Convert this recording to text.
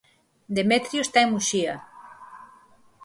Demetrio está en Muxía.